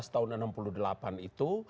tahun seribu sembilan ratus enam puluh delapan itu